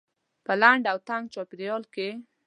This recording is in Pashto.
په لنډ و تنګ چاپيریال کې.